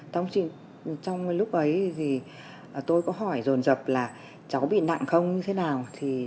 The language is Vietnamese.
trong lúc ấy tôi có hỏi rồn rập là cháu bị nặng không như thế nào